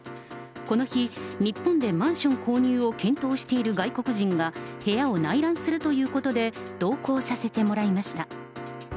この日、日本でマンション購入を検討している外国人が、部屋を内覧するということで同行させてもらいました。